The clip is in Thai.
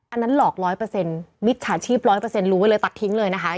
อันนั้นหลอก๑๐๐มิจฉาชีพ๑๐๐รู้ไว้เลยตัดทิ้งเลยนะคะ